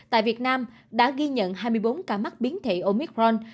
tại việt nam đã ghi nhận hai mươi bốn ca mắc biến thể omicron